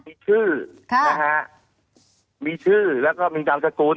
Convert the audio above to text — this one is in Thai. มีชื่อนะฮะแล้วก็มีลำสกุล